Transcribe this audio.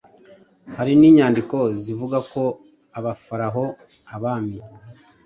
Hari n’inyandiko zivuga ko abafaraho (abami)